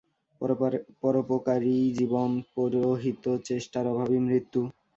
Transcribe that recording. পরোপকারই জীবন, পরহিতচেষ্টার অভাবই মৃত্যু।